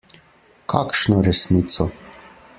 Kakšno resnico?